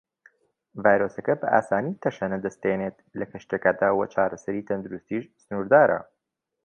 ڤایرۆسەکە بە ئاسانی تەشەنە دەستێنێت لە کەشتییەکەدا وە چارەسەری تەندروستیش سنوردارە.